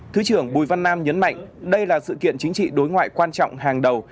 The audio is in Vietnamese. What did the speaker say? thứ trưởng bùi văn nam nhấn mạnh đây là sự kiện chính trị đối ngoại quan trọng hàng đầu